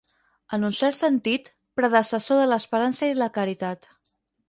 En un cert sentit, predecessor de l'esperança i la caritat.